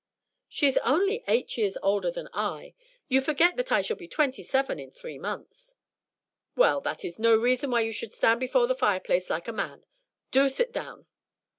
"She is only eight years older than I. You forget that I shall be twenty seven in three months." "Well, that is no reason why you should stand before the fireplace like a man. Do sit down."